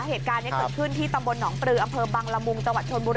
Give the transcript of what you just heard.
เหตุการณ์นี้เกิดขึ้นที่ตำบลหนองปลืออำเภอบังละมุงจังหวัดชนบุรี